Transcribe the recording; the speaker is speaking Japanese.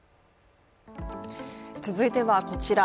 続いてはこちら。